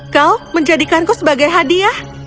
kau menjadikanku sebagai hadiah